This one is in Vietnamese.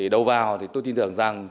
đầu vào tôi tin tưởng rằng